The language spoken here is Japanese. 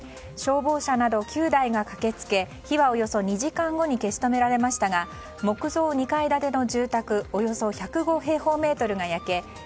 消防車など９台が駆け付け火はおよそ２時間後に消し止められましたが木造２階建ての住宅およそ１０５平方メートルが焼け